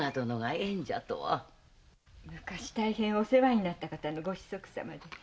昔大変お世話になった方のご子息様で。